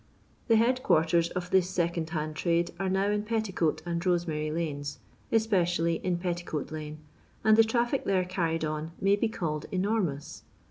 The head qnarters of this second hand trade are now in Petticoat and Rosemary Unes, espe cially in Petticoat lane, and the traffic there carried on may be called enormous.